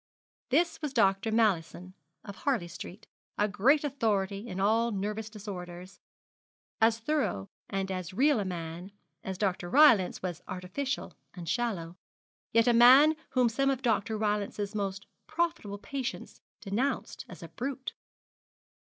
This was Dr. Mallison, of Harley Street, a great authority in all nervous disorders as thorough and as real a man as Dr. Rylance was artificial and shallow, yet a man whom some of Dr. Rylance's most profitable patients denounced as a brute.